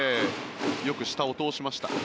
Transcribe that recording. よく下を通しました。